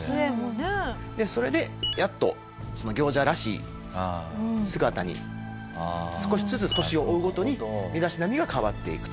それでやっと行者らしい姿に少しずつ年を追うごとに身だしなみが変わっていくと。